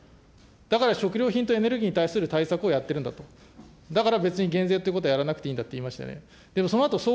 だから食料品とエネルギーに対する対策をやってるんだと、だから別に減税ということはやらなくていいんだということをおっしゃいましたよね。